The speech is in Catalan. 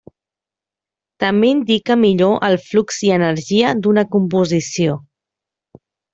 També indica millor el flux i energia d'una composició.